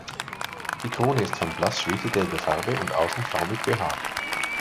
Die Krone ist von blass-schwefelgelber Farbe und außen flaumig behaart.